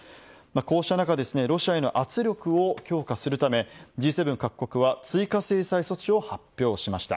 こうした中ロシアへの圧力を強化するためＧ７各国は追加制裁措置を発表しました。